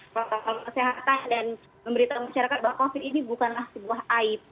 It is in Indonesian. protokol kesehatan dan memberitahuan masyarakat bahwa covid ini bukanlah sebuah aib